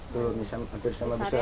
telur ini hampir sama besar